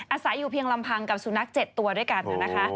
อาศัยอยู่เพียงลำพังกับสุนัข๗ตัวด้วยกันนะคะ